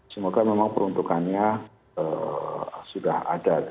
semoga memang peruntukannya sudah ada